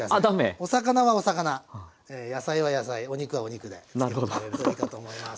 お魚はお魚野菜は野菜お肉はお肉で漬け込むといいかと思います。